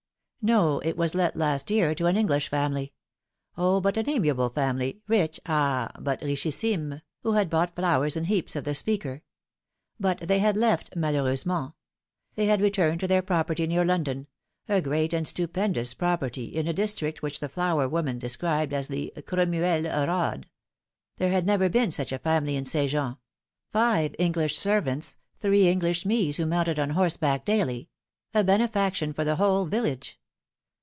No, it was let last year to an English family. O, but an amiable family, rich, ah, but richissime. who had bought flowers in heaps of the speaker. But they had left, malheureusement. They had returned to their property near London, a great and stupendous property in a district which the flower woman de scribed as le Crommu eUe Eodd. There had never been such family in St. Jean five English servants, three EUglish mees who mounted on horseback daily: a benefaction for the whole village.